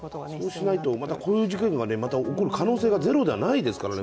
そうしないとまたこんな事件が起こる可能性がゼロではないですからね。